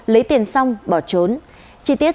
lấy tiền xong bỏ trốn chí tiết